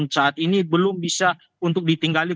saat ini belum bisa untuk ditinggali